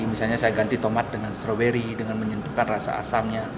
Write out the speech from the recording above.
misalnya saya ganti tomat dengan stroberi dengan menyentuhkan rasa asamnya